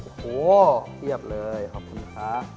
โอ้โหเพียบเลยขอบคุณครับ